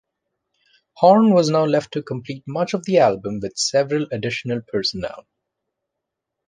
Horn was now left to complete much of the album with several additional personnel.